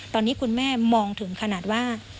ตอนนี้คุณแม่มองถึงขนาดว่า